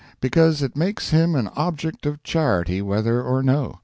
Because it makes him an object of charity whether or no.